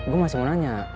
gue masih mau nanya